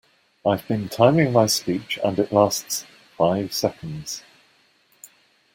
I've been timing my speech, and it lasts five seconds.